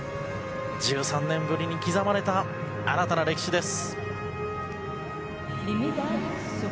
１３年ぶりに刻まれた新たな歴史です。